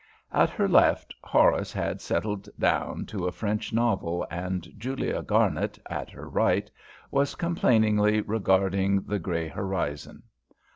At her left, Horace had settled down to a French novel, and Julia Garnet, at her right, was complainingly regarding the grey horizon.